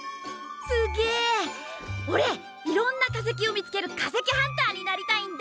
すげえ！おれいろんな化石を見つける化石ハンターになりたいんだ！